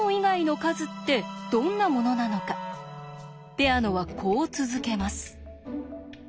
ペアノはこう続けます。